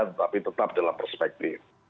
tetapi tetap dalam perspektif